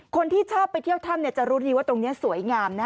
คนที่ชอบไปเที่ยวถ้ำจะรู้ดีว่าตรงนี้สวยงามนะ